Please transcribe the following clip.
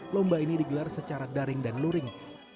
lomba ini digelar secara daring dan luring